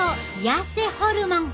やせホルモン？